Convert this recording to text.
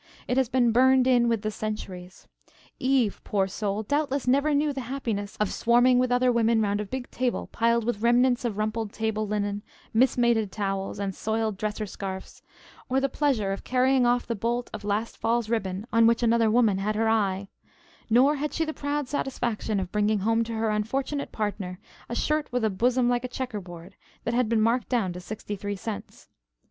It has been burned in with the centuries. Eve, poor soul, doubtless never knew the happiness of swarming with other women round a big table piled with remnants of rumpled table linen, mis mated towels and soiled dresser scarfs, or the pleasure of carrying off the bolt of last fall's ribbon on which another woman had her eye; nor had she the proud satisfaction of bringing home to her unfortunate partner a shirt with a bosom like a checker board, that had been marked down to sixty three cents.